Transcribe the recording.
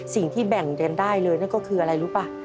สิ่งที่แบ่งกันได้เลยนั่นก็คืออะไรรู้ป่ะ